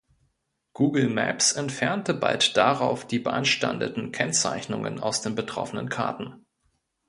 Google Maps entfernte bald darauf die beanstandeten Kennzeichnungen aus den betroffenen Karten.